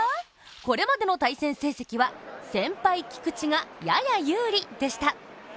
これまでの対戦成績は先輩・菊池がやや有利でした。